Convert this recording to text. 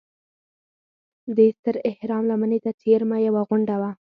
دې ستر اهرام لمنې ته څېرمه یوه غونډه وه.